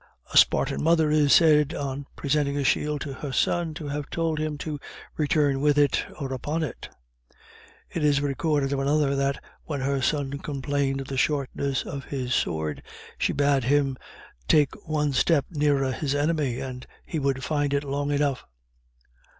A Spartan mother is said, on presenting a shield to her son, to have told him "to return, with it or upon it." It is recorded of another, that when her son complained of the shortness of his sword, she bade him "take one step nearer his enemy and he would find it long enough."